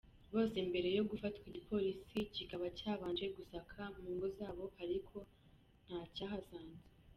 Bose mbere yo gufatwa igipolisi kikaba cyabanje gusaka mu ngo zabo ariko ntacyahasanzwe.